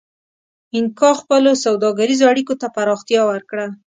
اینکا خپلو سوداګریزو اړیکو ته پراختیا ورکړه.